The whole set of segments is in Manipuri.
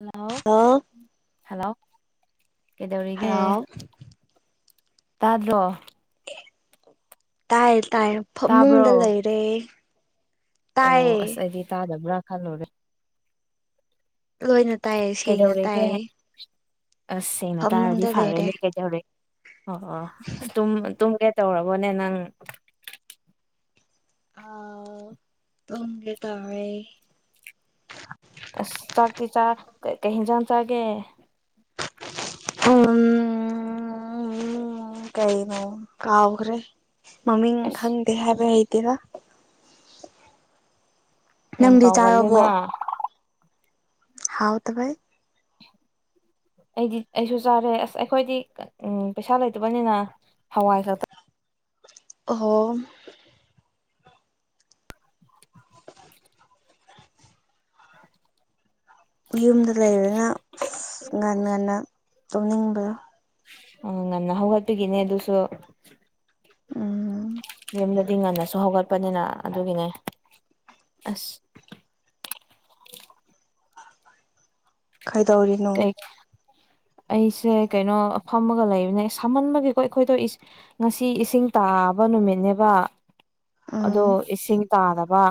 ꯍꯜꯂꯣ [unintelligible] ꯍꯜꯂꯣ ꯀꯩꯗꯧꯔꯤꯒꯦ ꯍꯜꯂꯣ ꯇꯥꯗ꯭ꯔꯣ ꯇꯥꯏ ꯇꯥꯏ ꯇꯥꯕ꯭ꯔꯣ ꯐꯃꯨꯡꯗ ꯂꯩꯔꯦ ꯑꯣ ꯑꯁ ꯇꯥꯏꯌꯦ ꯑꯩꯗꯤ ꯇꯥꯗꯕ꯭ꯔꯥ ꯈꯜꯂꯨꯔꯦ ꯂꯣꯏꯅ ꯇꯥꯏꯌꯦ ꯁꯦꯡꯅ ꯀꯩꯗꯧꯔꯤꯒꯦ ꯇꯥꯏꯌꯦ ꯑꯁ ꯁꯦꯡꯅ ꯇꯥꯔꯗꯤ ꯐꯃꯨꯡꯗ ꯂꯩꯔꯦ ꯐꯔꯦꯅꯦ ꯀꯩꯗꯧꯔꯦ ꯑꯣ ꯑꯣ ꯏꯁꯇꯨꯝ ꯑꯗꯨꯝ ꯒꯦꯠ ꯇꯧꯔꯕꯣꯅꯦ ꯅꯪ ꯑꯥ ꯇꯨꯝꯒꯦ ꯇꯧꯔꯦ ꯑꯁ ꯆꯥꯛꯇꯤ ꯆꯥ ꯀ ꯀꯩ ꯍꯤꯟꯖꯥꯡ ꯆꯥꯒꯦ ꯎꯝ ꯀꯩꯅ ꯀꯥꯎꯈꯔꯦ ꯃꯃꯤꯡ ꯑꯁ ꯈꯪꯗꯦ ꯍꯥꯏꯕ ꯍꯩꯇꯦꯔ ꯌꯥꯝ ꯅꯪꯗꯤ ꯆꯥꯔꯕꯣ ꯀꯥꯎꯒꯜꯂꯦꯅ ꯍꯥꯎ ꯇꯕꯩ ꯑꯩꯗꯤ ꯑꯩꯁꯨ ꯆꯥꯔꯦ ꯑꯁ ꯑꯩꯈꯣꯏꯗꯤ ꯎꯝ ꯄꯩꯁꯥ ꯂꯩꯇꯕꯅꯤꯅ ꯍꯋꯥꯏ ꯈꯛꯇ ꯑꯣꯍꯣ ꯌꯨꯝꯗ ꯂꯩꯔꯅ ꯉꯥꯟ ꯉꯟꯅ ꯇꯧꯅꯤꯡꯕ꯭ꯔ ꯎꯝ ꯉꯥꯟ ꯍꯧꯒꯄꯤ ꯏꯅꯦ ꯑꯗꯨꯁꯨ ꯎꯝ ꯌꯨꯝꯗꯗꯤ ꯉꯟꯅꯁꯨ ꯍꯧꯒꯠꯄꯅꯤꯅ ꯑꯗꯨꯒꯤꯅꯦ ꯑꯁ ꯀꯩꯗꯧꯔꯤꯅꯣ ꯀꯩ ꯑꯩꯁꯦ ꯀꯩꯅꯣ ꯐꯝꯃꯒ ꯂꯩꯕꯅꯦ ꯁꯥꯝꯃꯟꯕꯒꯤꯀꯣ ꯑꯩꯈꯣꯏꯗꯣꯏ ꯏꯁ ꯉꯁꯤ ꯏꯁꯤꯡ ꯇꯥꯕ ꯅꯨꯃꯤꯠꯅꯦꯕ ꯎꯝ ꯑꯗꯣ ꯏꯁꯤꯡ ꯇꯥꯔꯕ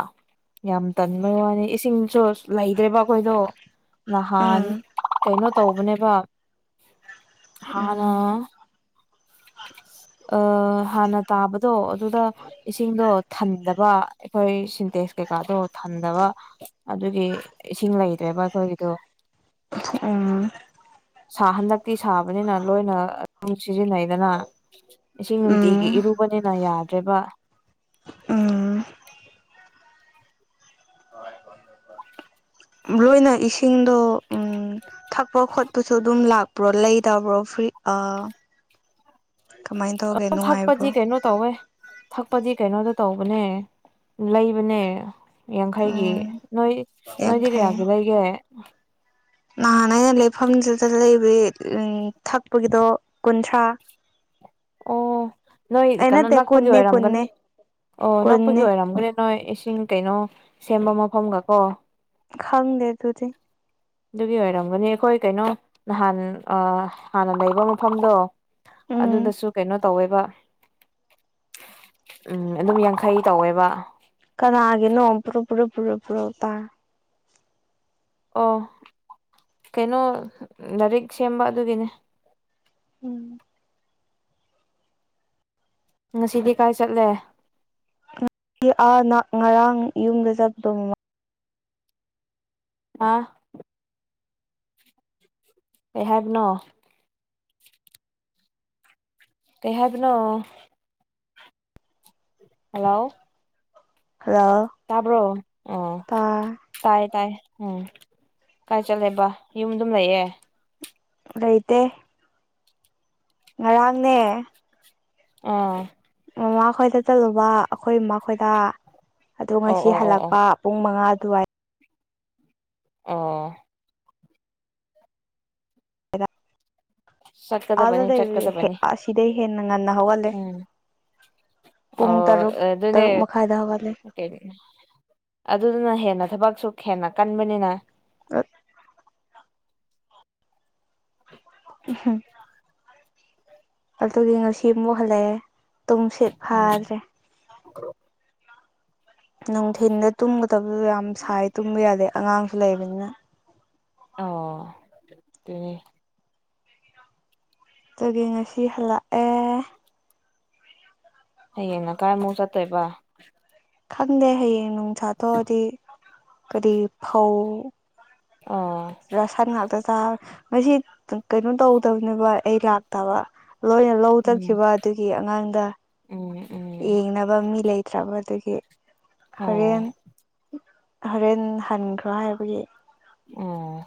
ꯌꯥꯝ ꯇꯟꯕꯩ ꯋꯥꯅꯤ ꯏꯁꯤꯡꯁꯨ ꯂꯩꯗ꯭ꯔꯦꯕ ꯑꯈꯣꯏꯗꯣ ꯅꯍꯥꯟ ꯎꯝ ꯀꯩꯅꯣ ꯇꯧꯕꯅꯦꯕ ꯎꯝ ꯍꯥꯟꯅ ꯑꯥ ꯍꯥꯟꯅ ꯇꯥꯕꯗꯣ ꯑꯗꯨꯗ ꯏꯁꯤꯡꯗꯣ ꯊꯟꯗꯕ ꯑꯩꯈꯣꯏ ꯁꯤꯟꯇꯦꯛꯁ ꯀꯩꯀꯥꯗꯣ ꯊꯟꯗꯕ ꯑꯗꯨꯒꯤ ꯏꯁꯤꯡ ꯂꯩꯇ꯭ꯔꯦꯕ ꯑꯩꯈꯣꯏꯒꯤꯗꯣ ꯎꯝ ꯁꯥ ꯍꯟꯗꯛꯇꯤ ꯁꯥꯕꯅꯤꯅ ꯂꯣꯏꯅ ꯑꯗꯨꯝ ꯁꯤꯖꯤꯟꯅꯩꯗꯅ꯫ ꯏꯁꯤꯡ ꯅꯨꯡꯇꯤꯒꯤ ꯎꯝ ꯏꯔꯨꯕꯅꯤꯅ ꯌꯥꯗ꯭ꯔꯦꯕ꯫ ꯎꯝ ꯂꯣꯏꯅ ꯏꯁꯤꯡꯗꯣ ꯎꯝ ꯊꯛꯄ ꯈꯣꯠꯄꯁꯨ ꯑꯗꯨꯝ ꯂꯥꯛꯄ꯭ꯔꯣ ꯂꯩꯗꯕ꯭ꯔꯣ ꯐ꯭ꯔꯤ ꯑꯥ ꯑ [inaudible] ꯊꯛꯄꯗꯤ ꯅꯨꯡꯉꯥꯏꯕ꯭ꯔꯣ ꯀꯩꯅꯣ ꯇꯧꯋꯦ ꯊꯛꯄꯗꯤ ꯀꯩꯅꯣꯗ ꯇꯧꯕꯅꯦ ꯂꯩꯕꯅꯦ꯫ ꯌꯥꯡꯈꯩꯒꯤ ꯎꯝ ꯅꯣꯏ ꯅꯣꯏꯗꯤ ꯀꯌꯥꯒꯤ ꯌꯥꯡꯈꯩ ꯂꯩꯒꯦ꯫ ꯅꯍꯥꯟ ꯑꯩꯅ ꯂꯩꯐꯝꯗꯨꯗ ꯂꯩꯕꯏ ꯎꯝ ꯊꯛꯄꯒꯤꯗꯣ ꯀꯨꯟꯊ꯭ꯔꯥ꯫ [unintelligible] ꯑꯣ ꯅꯣꯏ ꯑꯩ ꯀꯩꯅꯣ ꯅꯠꯇꯦ ꯅꯛꯄꯒꯤ ꯀꯨꯟꯅꯦ ꯑꯣꯏꯔꯝꯒꯅꯤ ꯀꯨꯟꯅꯦ ꯑꯣ ꯅꯛꯄꯒꯤ ꯀꯨꯟꯅꯦ ꯑꯣꯏꯔꯝꯒꯅꯤ꯫ ꯅꯣꯏ ꯏꯁꯤꯡ ꯀꯩꯅꯣ ꯁꯦꯝꯕ ꯃꯐꯝꯒ ꯀꯣ꯫ ꯈꯪꯗꯦ ꯑꯗꯨꯗꯤ꯫ ꯑꯗꯨꯒꯤ ꯑꯣꯏꯔꯝꯒꯅꯤ ꯑꯩꯈꯣꯏ ꯀꯩꯅꯣ ꯅꯍꯥꯟ ꯑ ꯍꯥꯟꯅ ꯂꯩꯕ ꯃꯐꯝꯗꯣ ꯎꯝ ꯑꯗꯨꯗꯁꯨ ꯀꯩꯅꯣ ꯇꯧꯋꯦꯕ ꯎꯝ ꯑꯗꯨꯝ ꯌꯥꯡꯈꯩ ꯇꯧꯋꯦꯕ꯫ ꯀꯅꯥꯒꯦꯅꯣ ꯄꯨꯔꯨꯞ ꯄꯨꯔꯨꯞ ꯄꯨꯔꯨꯞ ꯄꯨꯔꯣ ꯇꯥ ꯑꯣ ꯀꯩꯅꯣ ꯂꯥꯏꯔꯤꯛ ꯁꯦꯝꯕ ꯑꯗꯨꯒꯤꯅꯦ꯫ ꯎꯝ꯫ ꯉꯁꯤꯗꯤ ꯀꯥꯏ ꯆꯠꯂꯦ꯫ ꯑꯥ ꯅꯥ ꯉꯔꯥꯡ ꯌꯨꯝꯗ ꯆꯠꯄꯗꯣ ꯍꯥ꯫ ꯀꯩ ꯍꯥꯏꯕꯅꯣ꯫ ꯀꯩ ꯍꯥꯏꯕꯅꯣ꯫ ꯍꯜꯂꯣ꯫ ꯍꯜꯂꯣ ꯇꯥꯕ꯭ꯔꯣ ꯑꯣ꯫ ꯇꯥ ꯇꯥꯏ ꯇꯥꯏ ꯎꯝ ꯀꯥꯏ ꯆꯠꯂꯦꯕ ꯌꯨꯝ ꯑꯗꯨꯝ ꯂꯩꯌꯦ꯫ ꯂꯩꯩꯇꯦ꯫ ꯉꯔꯥꯡꯅꯦ ꯑꯥ꯫ ꯃꯃꯥ ꯈꯣꯏꯗ ꯆꯠꯂꯨꯕ ꯑꯩꯈꯣꯏ ꯃꯥ ꯈꯣꯏꯗ ꯑꯗꯨ ꯑꯣ ꯉꯁꯤ ꯑꯣ ꯑꯣ ꯑꯣ ꯍꯜꯂꯛꯄ꯫ ꯄꯨꯡ ꯃꯉꯥ ꯑꯗꯨꯋꯥꯏ꯫ ꯑꯣ꯫ ꯑꯥꯗ ꯆꯠꯀꯗꯕꯅꯤ ꯂꯩꯕꯗꯤ ꯆꯠꯀꯗꯕꯅꯤ ꯑꯁꯤꯗꯩ ꯍꯦꯟꯅ ꯉꯟꯅ ꯍꯧꯒꯠꯂꯦ ꯎꯝ꯫ ꯄꯨꯡ ꯑꯣ ꯇꯔꯨꯛ ꯑꯗꯨꯅꯦ꯫ ꯇꯔꯨꯛ ꯃꯈꯥꯏꯗ ꯍꯧꯒꯠꯂꯦ [unintelligible] ꯑꯗꯨꯗꯨꯅ ꯍꯦꯟꯅ ꯊꯕꯛꯁꯨ ꯍꯦꯟꯅ ꯀꯟꯕꯅꯤꯅ [unintelligible] ꯎꯍ꯫ ꯑꯗꯨꯒꯤ ꯉꯁꯤ ꯑꯃꯨꯛ ꯍꯜꯂꯛꯑꯦ ꯇꯨꯝꯁꯤꯠ ꯎꯝ ꯐꯥꯗ꯭ꯔꯦ꯫ [unintelligible] ꯅꯨꯡꯊꯤꯟꯗ ꯇꯨꯝꯒꯗꯕꯗꯨ ꯌꯥꯝ ꯁꯥꯏ ꯇꯨꯝꯕ ꯌꯥꯗꯦ ꯑꯉꯥꯡꯁꯨ ꯂꯩꯕꯅꯤꯅ꯫ ꯑꯣ ꯗꯨꯅꯦ꯫ ꯑꯗꯨꯒꯤ ꯉꯁꯤ ꯍꯜꯂꯛꯑꯦ꯫ ꯍꯌꯦꯡꯅ ꯀꯥꯏ ꯑꯃꯨꯛ ꯆꯠꯇꯣꯏꯕ꯫ ꯈꯪꯗꯦ ꯍꯌꯦꯡ ꯅꯨꯡꯁꯥ ꯊꯣꯛꯑꯗꯤ ꯀꯔꯤ ꯐꯧ ꯑꯣ꯫ ꯁꯟ ꯉꯥꯛꯇ ꯇꯥ ꯉꯁꯤ ꯀꯩꯅꯣ ꯇꯧꯗꯝꯅꯦꯕ ꯑꯩ ꯂꯥꯛꯇꯕ ꯂꯣꯏꯅ ꯂꯧ ꯎꯝ ꯆꯥꯠꯈꯤꯕ ꯑꯗꯨꯒꯤ ꯑꯉꯥꯡꯗ ꯎꯝ ꯎꯝ ꯌꯦꯡꯅꯕ ꯃꯤ ꯂꯩ ꯇ꯭ꯔꯕꯗꯒꯤ ꯍꯣꯔꯦꯟ ꯑꯣ ꯍꯣꯔꯦꯟ ꯍꯟꯈ꯭ꯔꯣ ꯍꯥꯏꯕꯒꯤ ꯑꯣ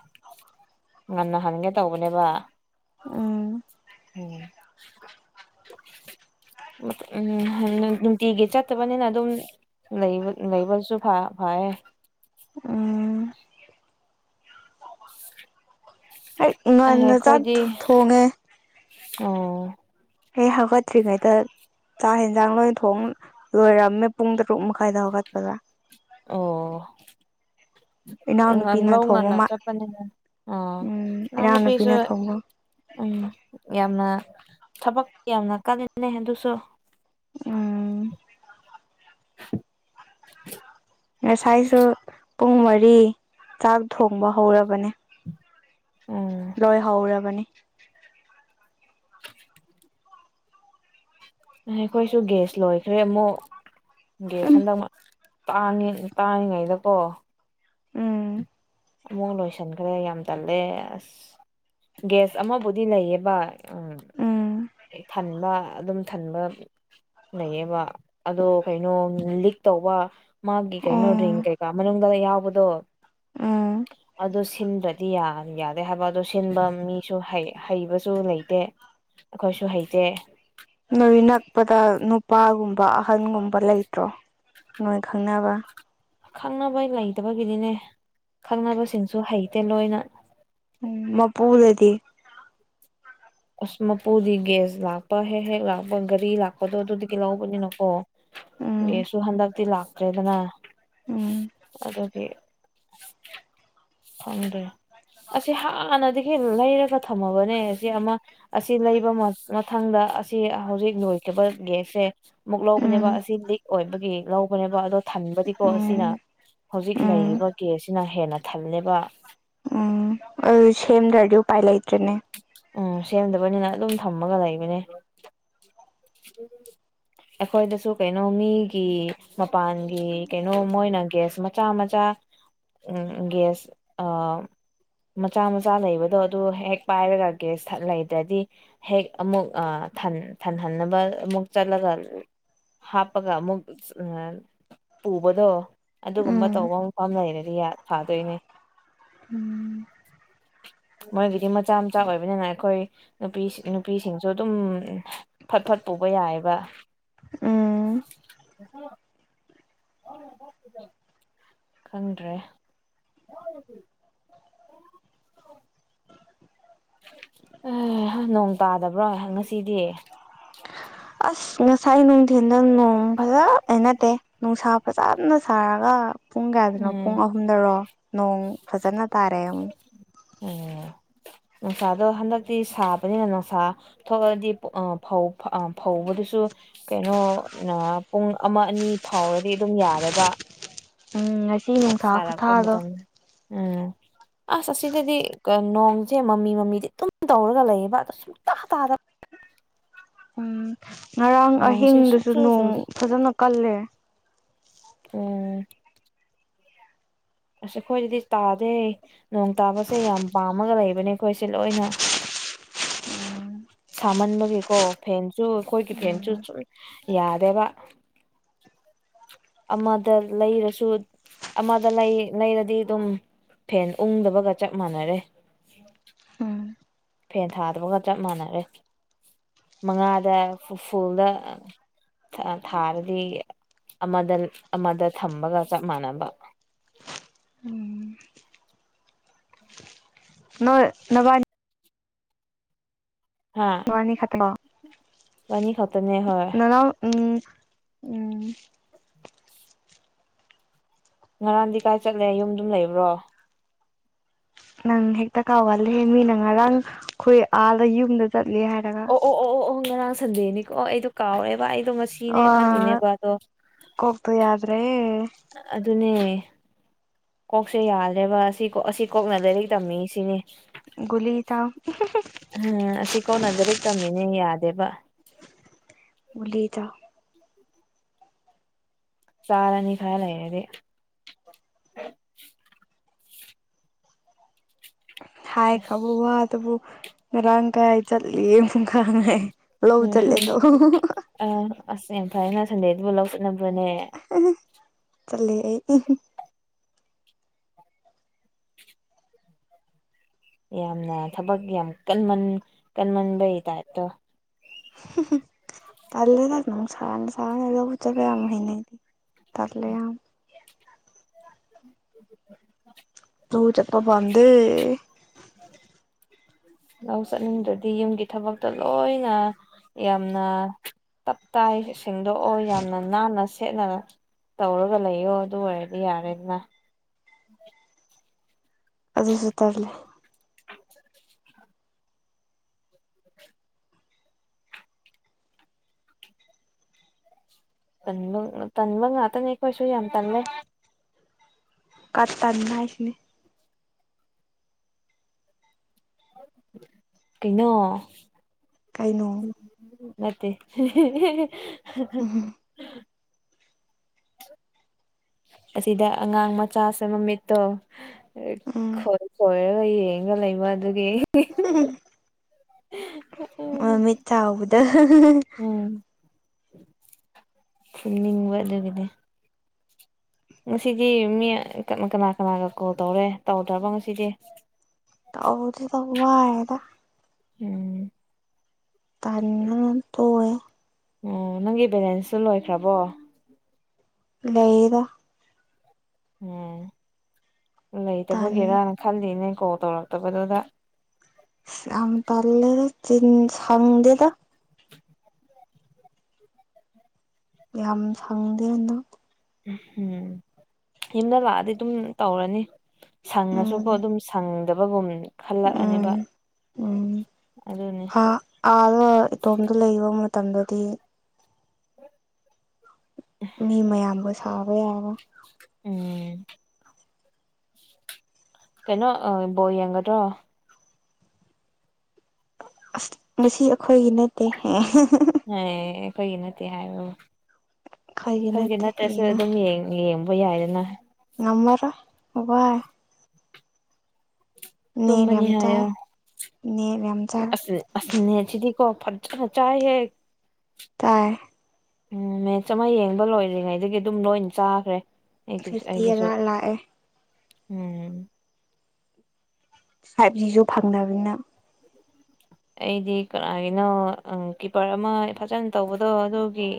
ꯉꯟꯅ ꯍꯟꯒꯦ ꯇꯧꯕꯅꯦꯕ ꯎꯝ ꯎꯝ [unintelligible] ꯅꯨꯡꯇꯤꯒꯤ ꯆꯠꯇꯕꯅꯤꯅ ꯑꯗꯨꯝ ꯂꯩꯕꯠ ꯂꯩꯕꯁꯨ ꯐꯥ ꯐꯌꯦ ꯎꯝ [inaudible] ꯍꯦꯛ ꯉꯟꯅ ꯆꯥꯛ ꯑꯩꯈꯣꯏꯗꯤ ꯊꯨ ꯊꯨ ꯊꯣꯡꯉꯦ ꯑꯣ ꯑꯩ ꯍꯧꯒꯠꯇ꯭ꯔꯤꯉꯩꯗ ꯆꯥꯛ ꯍꯦꯟꯖꯥꯡ ꯂꯣꯏ ꯊꯣꯡ ꯂꯣꯏꯔꯝꯃꯦ ꯄꯨꯡ ꯇꯔꯨꯛ ꯃꯈꯥꯏꯗ ꯍꯧꯒꯠꯄꯗ ꯑꯣ ꯉꯟ ꯏꯅꯥꯎꯅꯨꯄꯤꯅ ꯂꯧ ꯊꯣꯡꯕ ꯉꯟꯅ ꯃꯥ ꯆꯠꯄꯅꯤꯅ ꯑ ꯎꯝ ꯏꯅꯥꯎꯅꯨꯄꯤꯁꯨ ꯏꯅꯥꯎꯅꯨꯄꯤꯅ ꯊꯣꯡꯕ ꯎꯝ ꯌꯥꯝꯅ ꯊꯕꯛ ꯌꯥꯝꯅ ꯀꯟꯂꯤꯅꯦ ꯑꯗꯨꯁꯨ ꯎꯝ [inaudible] ꯉꯁꯥꯏꯁꯨ ꯄꯨꯡ ꯃꯔꯤ ꯆꯥꯛ ꯊꯣꯡꯕ ꯍꯧꯔꯕꯅꯦ ꯎꯝ ꯂꯣꯢ ꯍꯧꯔꯕꯅꯤ ꯑꯈꯣꯏꯁꯨ ꯒꯦꯁ ꯂꯣꯏꯈ꯭ꯔꯦ ꯑꯃꯨꯛ ꯒꯦꯌꯥꯁ ꯎꯝ ꯍꯟꯗꯛ ꯇꯥꯡꯉꯦ ꯇꯥꯡꯉꯤꯉꯩꯗꯀꯣ ꯎꯝ ꯑꯃꯨꯛ ꯂꯣꯏꯁꯟꯈ꯭ꯔꯦ ꯌꯥꯝ ꯇꯜꯂꯦ ꯑꯁ ꯒꯦꯁ ꯑꯃꯕꯨꯗꯤ ꯂꯩꯌꯦꯕ ꯎꯝ ꯎꯝ ꯄꯤꯛ ꯊꯟꯕ ꯑꯗꯨꯝ ꯊꯟꯕ ꯂꯩꯌꯦꯕ ꯑꯗꯣ ꯀꯩꯅꯣ ꯂꯤꯛ ꯇꯧꯕ ꯃꯥꯒꯤ ꯀꯩꯅꯣ ꯔꯤꯡ ꯎꯝ ꯀꯩꯀꯥ ꯃꯅꯨꯡꯗꯒ ꯌꯥꯎꯕꯗꯣ ꯎꯝ ꯑꯗꯨ ꯁꯤꯟꯗ꯭ꯔꯗꯤ ꯌꯥ ꯌꯥꯗꯦ ꯍꯥꯏꯕ ꯑꯗꯨ ꯁꯤꯟꯕ ꯃꯤꯁꯨ ꯍꯩ ꯍꯩꯕꯁꯨ ꯂꯩꯇꯦ ꯑꯈꯣꯏꯁꯨ ꯍꯩꯇꯦ ꯅꯣꯏ ꯅꯛꯄꯗ ꯅꯨꯄꯥꯒꯨꯝꯕ ꯑꯍꯟꯒꯨꯝꯕ ꯂꯩꯇ꯭ꯔꯣ ꯅꯣꯏ ꯈꯪꯅꯕ ꯈꯪꯅꯕ ꯂꯩꯇꯕꯒꯤꯅꯤꯅꯦ ꯈꯪꯅꯕꯁꯤꯡꯁꯨ ꯍꯩꯇꯦ ꯂꯣꯏꯅ ꯎꯝ ꯃꯄꯨ ꯂꯩꯗꯤ ꯑꯁ ꯃꯄꯨꯗꯤ ꯒꯦꯁ ꯂꯥꯛꯄ ꯍꯦꯛ ꯍꯦꯛ ꯂꯥꯛꯄ ꯒꯥꯔꯤ ꯂꯥꯛꯄꯗꯣ ꯑꯗꯨꯗꯒꯤ ꯂꯧꯕꯅꯤꯅꯀꯣ ꯎꯝ ꯒꯦꯁꯁꯨ ꯍꯟꯗꯛꯇꯤ ꯂꯥꯛꯇ꯭ꯔꯦꯗꯅ ꯎꯝ ꯑꯗꯨꯒꯤ ꯈꯪꯗ꯭ꯔꯦ ꯑꯁꯤ ꯍꯥꯟꯅꯗꯒꯤ ꯂꯩꯔꯒ ꯊꯝꯃꯕꯅꯦ ꯑꯁꯤ ꯑꯃ ꯑꯁꯤ ꯂꯩꯕ ꯃ ꯃꯊꯪꯗ ꯑꯁꯤ ꯍꯧꯖꯤꯛ ꯂꯣꯏꯈꯤꯕ ꯒꯦꯁꯁꯦ ꯑꯃꯨꯛ ꯂꯧꯕꯅꯦꯕ ꯎꯝ ꯑꯁꯤ ꯂꯤꯛ ꯑꯣꯏꯕꯒꯤ ꯂꯧꯕꯅꯦꯕ ꯑꯗꯣ ꯊꯟꯕꯗꯤꯀꯣ ꯎꯝ ꯑꯁꯤꯅ ꯍꯧꯖꯤꯛ ꯎꯝ ꯂꯩꯔꯤꯕ ꯒꯦꯁꯁꯤꯅ ꯍꯦꯟꯅ ꯊꯜꯂꯦꯕ ꯎꯝ ꯑꯗꯨ ꯁꯦꯝꯗ꯭ꯔꯗꯤ ꯎꯄꯥꯏ ꯂꯩꯇ꯭ꯔꯦꯅꯦ ꯎꯝ ꯁꯦꯝꯗꯕꯅꯤꯅ ꯑꯗꯨꯝ ꯊꯝꯃꯒ ꯂꯩꯕꯅꯦ ꯑꯈꯣꯏꯗꯁꯨ ꯀꯩꯅꯣ ꯃꯤꯒꯤ ꯃꯄꯥꯟꯒꯤ ꯀꯩꯅꯣ ꯃꯣꯏꯅ ꯒ꯭ꯌꯥꯁ ꯃꯆꯥ ꯃꯆꯥ ꯎꯝ ꯒꯦꯁ ꯑ ꯃꯆꯥ ꯃꯆꯥ ꯂꯩꯕꯗꯣ ꯑꯗꯨ ꯍꯦꯛ ꯄꯥꯏꯔꯒ ꯒꯦꯁꯊ ꯂꯩꯇ꯭ꯔꯗꯤ ꯍꯦꯛ ꯑꯃꯨꯛ ꯑ ꯊꯟ ꯊꯟꯍꯟꯅꯕ ꯑꯃꯨꯛ ꯆꯠꯂꯒ ꯍꯥꯞꯄꯒ ꯑꯃꯨꯛ ꯄꯨꯕꯗꯣ ꯑꯗꯨꯒꯨꯝꯕ ꯎꯝ ꯇꯧꯕ ꯃꯐꯝ ꯂꯩꯔꯗꯤ ꯐꯥꯗꯣꯏꯅꯦ ꯎꯝ ꯃꯣꯏꯒꯤꯗꯤ ꯃꯆꯥ ꯃꯆꯥ ꯑꯣꯏꯕ ꯑꯗꯨꯕꯅꯤꯅ ꯑꯩꯈꯣꯏ ꯅꯨꯄꯤ ꯅꯨꯄꯤꯁꯤꯡꯁꯨ ꯑꯗꯨꯝ ꯐꯠ ꯐꯠ ꯄꯨꯕ ꯌꯥꯏꯑꯕ ꯎꯝ [unintelligible] [unintelligible] ꯈꯪꯗ꯭ꯔꯦ [inaudible] ꯑꯦ ꯅꯣꯡ ꯇꯥꯗꯕ꯭ꯔꯣ ꯉꯁꯤꯗꯤ ꯑꯁ ꯉꯁꯥꯏ ꯅꯨꯡꯊꯤꯟꯗ ꯅꯣꯡ ꯐꯖ ꯍꯥꯏ ꯅꯗꯦ ꯅꯨꯡꯁꯥ ꯐꯖꯅ ꯁꯥꯔꯒ ꯄꯨꯡ ꯀꯌꯥꯗꯅꯣ ꯄꯨꯡ ꯎꯝ ꯑꯍꯨꯝꯗꯔꯣ ꯅꯣꯡ ꯐꯖꯅ ꯇꯥꯔꯦ ꯑꯃꯨꯛ ꯑꯣꯝ ꯅꯨꯡꯁꯥꯗꯣ ꯍꯟꯗꯛꯇꯤ ꯁꯥꯕꯅꯤꯅ ꯅꯨꯡꯁꯥ ꯊꯣꯛꯑꯗꯤ ꯑ ꯐꯧ ꯐꯧꯕꯗꯨꯁꯨ ꯀꯩꯅꯣ ꯄꯨꯡ ꯑꯃ ꯑꯅꯤ ꯐꯥꯎꯔꯗꯤ ꯑꯗꯨꯝ ꯌꯥꯔꯦꯕ ꯎꯝ ꯉꯁꯤ ꯅꯨꯡꯁꯥ ꯁꯥꯔꯛꯄ ꯈꯨꯊꯥꯗꯣ ꯃꯇꯝꯗ ꯎꯝ ꯑꯁ ꯑꯁꯤꯗꯗꯤ ꯅꯣꯡꯁꯦ ꯃꯃꯤ ꯃꯃꯤꯗꯤ ꯑꯗꯨꯨꯝ ꯇꯧꯔꯒ ꯂꯩꯌꯦꯕ ꯑꯣ ꯁꯨꯡ ꯇꯥ ꯇꯥꯗ ꯎꯝ ꯉꯔꯥꯡ ꯅꯣꯡꯁꯦ ꯑꯍꯤꯡꯗꯨꯁꯨ ꯁꯨꯡꯆꯨ ꯅꯣꯡ ꯆꯨꯗꯦ ꯐꯖꯅ ꯀꯜꯂꯦ ꯎꯝ ꯑꯁ ꯑꯩꯈꯣꯏꯗꯗꯤ ꯇꯥꯗꯦ ꯅꯣꯡ ꯇꯥꯕꯁꯦ ꯌꯥꯝ ꯄꯥꯝꯃꯒ ꯂꯩꯕꯅꯦ ꯑꯩꯈꯣꯏꯁꯦ ꯂꯣꯏꯅ ꯎꯝ [inaudible] ꯁꯥꯃꯟꯕꯒꯤꯀꯣ ꯐꯦꯟꯁꯨ ꯑꯩꯈꯣꯏꯒꯤ ꯐꯦꯟꯁꯨ ꯎꯝ ꯁꯨꯝ ꯌꯥꯗꯦꯕ ꯑꯃꯗ ꯂꯩꯔꯁꯨ ꯑꯃꯗ ꯂꯩ ꯂꯩꯔꯗꯤ ꯑꯗꯨꯝ ꯐꯦꯟ ꯎꯪꯗꯕꯒ ꯆꯞ ꯃꯥꯟꯅꯔꯦ ꯐꯦꯟ ꯊꯥꯗꯕꯒ ꯆꯞ ꯃꯥꯟꯅꯔꯦ ꯃꯉꯥꯗ ꯐꯨꯜꯗ ꯊꯥꯔꯗꯤ ꯑꯃꯗ ꯑꯃꯗ ꯊꯝꯕꯒ ꯆꯞ ꯃꯥꯟꯅꯕ ꯎꯝ ꯅꯣꯏ ꯅꯕꯥꯅꯤ ꯍꯥ [unintelligible] ꯈꯠꯇ ꯕꯅꯤ ꯈꯠꯇꯅꯦ ꯍꯣꯏ ꯎꯝ ꯎꯝ [unintelligible] ꯉꯔꯥꯡꯗꯤ ꯀꯥꯏ ꯆꯠꯂꯦ ꯌꯨꯝꯗꯨꯝ ꯂꯩꯕ꯭ꯔꯣ ꯅꯪ ꯍꯦꯛꯇ ꯀꯥꯎꯒꯂꯦ ꯃꯤꯅ ꯉꯔꯥꯡ ꯑꯩꯈꯣꯏ ꯑꯥꯗ ꯌꯨꯝꯗ ꯆꯠꯂꯦ ꯍꯥꯏꯔ ꯑꯣ ꯑꯣ ꯑꯣ ꯑꯣ ꯑꯣꯍ ꯉꯔꯥꯡ ꯁꯟꯗꯦꯅꯤꯀꯣ ꯑꯣ ꯑꯩꯗꯣ ꯀꯥꯎꯔꯦꯕ ꯑꯩꯗꯣ ꯃꯁꯤꯅꯦ ꯈꯜꯂꯤꯅꯦꯕ ꯑꯗꯣ ꯀꯣꯀꯇꯣ ꯌꯥꯗ꯭ꯔꯦ ꯍꯦ ꯑꯗꯨꯅꯦ ꯀꯣꯛꯁꯦ ꯌꯥꯗ꯭ꯔꯦꯕ ꯑꯁꯤ ꯑꯁꯤ ꯀꯣꯛꯅ ꯂꯥꯏꯔꯤꯛ ꯇꯝꯃꯤ ꯁꯤꯅꯤ ꯒꯨꯂꯤ ꯆꯥꯎ ꯎꯝ ꯑꯁꯤ ꯀꯧꯅ ꯂꯥꯏꯔꯤꯛ ꯇꯝꯃꯤꯅꯦ ꯌꯥꯗꯦꯕ ꯒꯨꯂꯤ ꯆꯥꯎ [inaudible] ꯆꯔꯅꯤ ꯈꯥꯔꯥ ꯂꯩꯔꯗꯤ ꯍꯥꯏ ꯈꯔꯕ ꯋꯥ ꯗꯨꯕꯨ ꯉꯥꯔꯥꯡ ꯀꯔꯥꯏ ꯆꯠꯂꯤ ꯑꯃꯨꯛꯀ ꯍꯪꯉꯛꯑꯦ ꯎꯝ ꯑ ꯑꯁ ꯌꯥꯝ ꯐꯩꯅ ꯁꯟꯗꯦꯗꯨꯕꯨ ꯂꯧ ꯆꯠꯅꯕ꯭ꯔꯅꯦ ꯆꯠꯂꯤ ꯑꯩꯗꯤ ꯌꯥꯝꯅ ꯊꯕꯛ ꯌꯥꯝ ꯀꯟꯃꯟ ꯀꯟꯃꯟꯕꯩ ꯇꯥꯏꯞꯇꯣ [unintelligible] ꯇꯜꯂꯦꯗ ꯅꯨꯡꯁꯥꯅ ꯁꯥꯕꯖꯤꯗ ꯂꯕꯨꯛ ꯆꯠꯄ ꯌꯥꯝ ꯍꯩꯅꯩ ꯇꯜꯂꯦ ꯌꯥꯝ ꯂꯧ ꯆꯠꯄ ꯄꯥꯝꯗꯦ ꯂꯧ ꯆꯠꯅꯤꯡꯗ꯭ꯔꯗꯤ ꯌꯨꯝꯒꯤ ꯊꯕꯛꯇ ꯂꯣꯏꯅ ꯌꯥꯝꯅ ꯇꯞ ꯇꯥꯏ ꯁꯤꯡꯗꯣꯛꯑꯣ ꯌꯥꯝꯅ ꯅꯥꯟꯅ ꯁꯦꯠꯅ ꯇꯧꯔꯒ ꯂꯩꯌꯣ ꯑꯗꯨ ꯑꯣꯏꯔꯗꯤ ꯌꯥꯔꯦꯅ ꯑꯗꯨꯁꯨ ꯇꯜꯂꯦ [unintelligible] ꯇꯟꯕ ꯇꯟꯕ ꯉꯥꯇꯅꯤ ꯑꯩꯈꯣꯏꯁꯨ ꯌꯥꯝ ꯇꯟꯂꯦ ꯀꯇꯟ ꯍꯥꯏꯁꯤꯅꯤ ꯀꯩꯅꯣ ꯀꯩꯅꯣ ꯅꯠꯇꯦ ꯎꯝ ꯑꯁꯤꯗ ꯑꯉꯥꯡ ꯃꯆꯥꯁꯦ ꯃꯃꯤꯠꯇꯣ ꯎꯝ ꯈꯣꯏ ꯀꯣꯏꯔꯒ ꯌꯦꯡꯑꯒ ꯂꯩꯕ ꯑꯗꯨꯒꯤ [unintelligible] [unintelligible] ꯃꯃꯤꯠ ꯆꯥꯎꯕꯗ ꯎꯝ ꯈꯨꯝꯅꯤꯡꯕ ꯑꯗꯨꯒꯤꯅꯦ ꯉꯁꯤꯗꯤ ꯃꯤ ꯀꯅꯥ ꯀꯅꯥꯒ ꯀꯣꯜ ꯇꯧꯔꯦ ꯇꯧꯗ꯭ꯔꯕ ꯉꯁꯤꯗꯤ ꯇꯥꯎꯗ꯭ꯔꯤꯗ ꯋꯥꯔꯦꯗ ꯎꯝ ꯇꯟꯗꯅ ꯇꯣꯛꯑꯦ ꯑꯝ ꯅꯪꯒꯤ ꯕꯦꯂꯦꯟꯁꯇꯣ ꯂꯣꯏꯈ꯭ꯔꯕꯣ ꯂꯩꯗ ꯎꯝ ꯇꯟ ꯂꯩꯇꯕꯒꯤꯔꯥꯅ ꯈꯜꯂꯤꯅꯦ ꯀꯣꯜ ꯇꯧꯔꯛꯇꯕꯗꯨꯗ ꯌꯥꯝ ꯇꯜꯂꯤꯗ ꯆꯤꯟ-ꯁꯪꯗꯦꯗ ꯌꯥꯝ ꯁꯪꯗꯦ ꯍꯟꯗꯛ ꯎꯝ ꯌꯨꯝꯗ ꯂꯥꯛꯑꯗꯤ ꯑꯗꯨꯝ ꯇꯧꯔꯅꯤ ꯁꯪꯉꯁꯨꯀꯣ ꯎꯝ ꯑꯗꯨꯝ ꯁꯪꯗꯕꯒꯨꯝ ꯎꯝ ꯈꯜꯂꯛꯑꯅꯦꯕ ꯎꯝ ꯑꯗꯨꯅꯤ ꯑꯥ ꯑꯥꯗ ꯏꯇꯣꯝꯗ ꯂꯩꯕ ꯃꯇꯝꯗꯗꯤ ꯃꯤ ꯃꯌꯥꯝꯒ ꯁꯥꯕ ꯌꯥꯕ ꯎꯝ ꯀꯩꯅꯣ ꯑꯥ ꯕꯣꯜ ꯌꯦꯡꯒꯗ꯭ꯔꯣ ꯑꯁ ꯉꯁꯤ ꯑꯩꯈꯣꯏꯒꯤ ꯅꯠꯇꯦꯍꯦ ꯍꯦꯏ ꯑꯩꯈꯣꯏꯒꯤ ꯅꯠꯇꯦ ꯍꯥꯏꯕ ꯑꯩꯈꯣꯏꯒꯤ ꯅꯠꯇꯦ ꯅꯠꯇ꯭ꯔꯁꯨ ꯌꯦꯡꯉꯣ ꯑꯗꯨꯝ ꯌꯦꯡ ꯌꯦꯡꯕ ꯌꯥꯏꯗꯅ ꯉꯝꯃꯔꯣꯏ ꯋꯥꯏ ꯅꯦꯠ ꯇꯨꯝꯃꯅꯤ ꯌꯥꯝ ꯆꯥꯏ ꯍꯥꯏꯌꯣ ꯅꯦꯠ ꯌꯥꯝ ꯆꯥꯏ ꯑꯁ ꯑꯁ ꯅꯦꯠ ꯁꯤꯗꯤꯀꯣ ꯐꯖꯅ ꯆꯥꯏꯍꯦ ꯆꯥꯏ ꯎꯝ ꯃꯦꯠꯁ ꯑꯃ ꯌꯦꯡꯕ ꯂꯣꯏꯔꯤꯉꯩꯗꯒꯤ ꯑꯗꯨꯝ ꯂꯣꯏꯅ ꯆꯥꯈ꯭ꯔꯦ ꯑꯩꯒꯤꯞ ꯐꯤꯐꯇꯤ ꯑꯩꯒꯤꯁꯨ ꯑꯂꯥꯠ ꯂꯥꯛꯑꯦ ꯎꯝ ꯐꯥꯏꯚ ꯖꯤꯁꯨ ꯐꯪꯅꯕꯅꯤꯅ ꯑꯩꯗꯤ ꯀꯅꯥꯒꯤꯅꯣ ꯑꯥ ꯀꯤꯄꯔ ꯑꯃ ꯐꯖꯅ ꯇꯧꯕꯗꯣ ꯑꯗꯨꯒꯤ